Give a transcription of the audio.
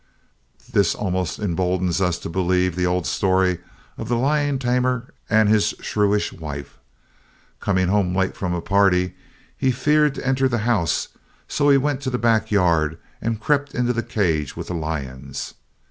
This almost emboldens us to believe the old story of the lion tamer and his shrewish wife. Coming home late from a party, he feared to enter the house and so he went to the backyard and crept into the cage with the lions.